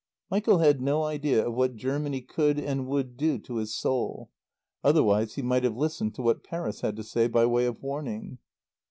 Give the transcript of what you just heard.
Michael had no idea of what Germany could and would do to his soul. Otherwise he might have listened to what Paris had to say by way of warning.